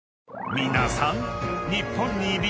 ［皆さん］